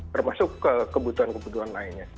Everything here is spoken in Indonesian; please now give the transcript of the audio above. termasuk kebutuhan kebutuhan lainnya